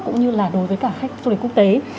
cũng như là đối với cả khách du lịch quốc tế